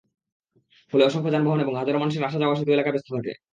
ফলে অসংখ্য যানবাহন এবং হাজারো মানুষের আসা-যাওয়ায় সেতু এলাকা ব্যস্ত থাকে।